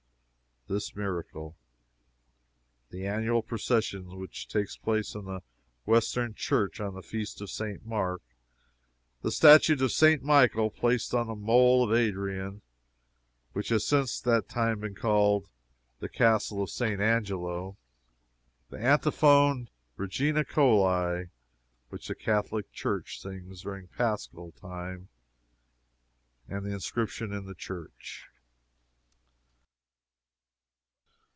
T.] this miracle: the annual procession which takes place in the western church on the feast of St Mark; the statue of St. Michael, placed on the mole of Adrian, which has since that time been called the Castle of St. Angelo; the antiphon Regina Coeli which the Catholic church sings during paschal time; and the inscription in the church."